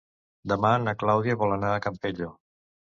Demà na Clàudia vol anar al Campello.